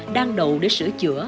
đang đầu để sửa chữa